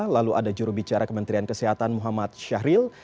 lalu ada juru bicara kementerian kesehatan muhammad syahril